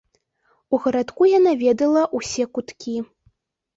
У гарадку яна ведала ўсе куткі.